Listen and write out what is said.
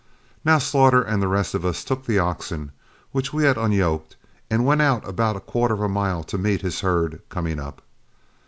Now Slaughter and the rest of us took the oxen, which we had unyoked, and went out about a quarter of a mile to meet his herd coming up.